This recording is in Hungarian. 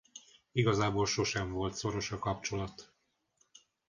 Igazából sosem volt szoros a kapcsolat.